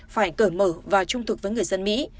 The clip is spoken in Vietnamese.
phải cởi mở và trung thực với người dân mỹ